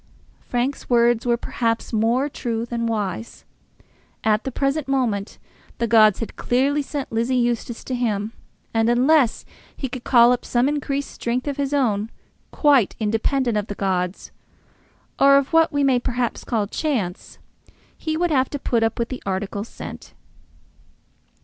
Frank's words were perhaps more true than wise. At the present moment the gods had clearly sent Lizzie Eustace to him, and unless he could call up some increased strength of his own, quite independent of the gods, or of what we may perhaps call chance, he would have to put up with the article sent.